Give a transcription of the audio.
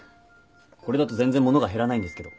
これだと全然物が減らないんですけど